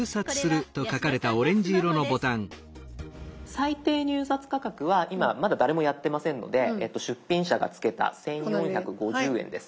最低入札価格は今まだ誰もやってませんので出品者がつけた１，４５０円です。